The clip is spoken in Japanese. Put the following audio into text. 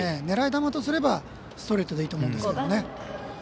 狙い球とすればストレートでいいと思うんですけどね。